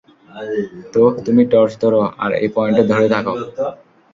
তো, তুমি টর্চ ধরো, আর এই পয়েন্টে ধরে থাকো।